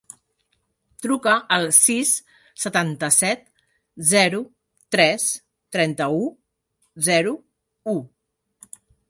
Truca al sis, setanta-set, zero, tres, trenta-u, zero, u.